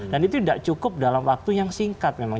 dan itu nggak cukup dalam waktu yang singkat memang